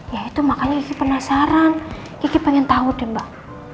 ya itu makanya gigi penasaran gigi pengen tau deh mbak